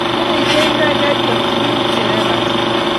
Chereichi inne ketiem tuguk che lelachen